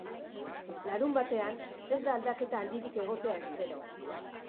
Larunbatean, ez da aldaketa handirik egotea espero.